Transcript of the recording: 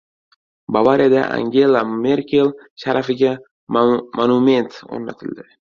Bavariyada Angela Merkel sharafiga monument o‘rnatildi